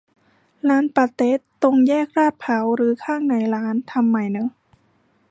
ร้านปาเต๊ะตรงแยกลาดพร้าวรื้อข้างในร้าน ทำใหม่เนอะ